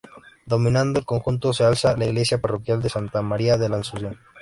Dominando el conjunto se alza la Iglesia Parroquial de Santa María de la Asunción.